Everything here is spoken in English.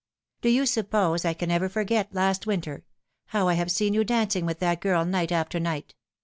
Do you suppose I can ever forget last winter how I have seen you dancing with that girl night after night